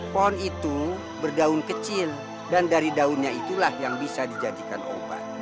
pohon itu berdaun kecil dan dari daunnya itulah yang bisa dijadikan obat